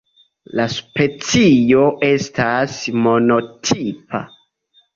La specio estas monotipa.